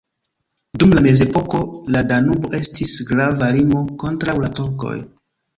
Dum la mezepoko la Danubo estis grava limo kontraŭ la turkoj.